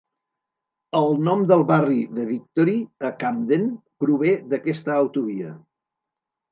El nom del barri de Victory a Camden prové d'aquesta autovia.